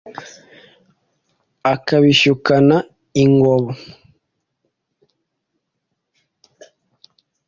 Akabishyukana* ingoma.